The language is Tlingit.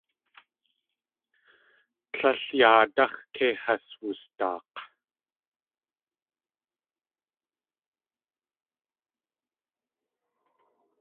Tlél yáadáx̲ kei has wusdaak̲.